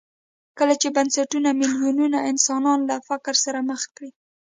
کله چې بنسټونه میلیونونه انسانان له فقر سره مخ کړي.